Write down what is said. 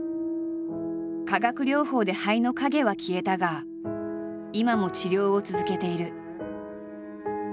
化学療法で肺の影は消えたが今も治療を続けている。